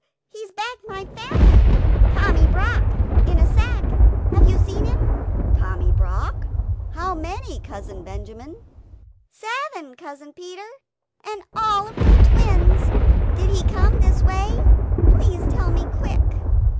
He's bagged my family Tommy Brock in a sack have you seen him?" "Tommy Brock? how many, Cousin Benjamin?" "Seven, Cousin Peter, and all of them twins! Did he come this way? Please tell me quick!"